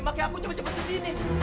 makanya aku cepet cepet kesini